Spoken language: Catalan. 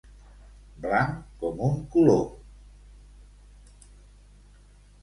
Blanc com un colom.